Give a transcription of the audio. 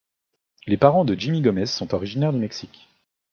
Les parents de Jimmy Gomez sont originaires du Mexique.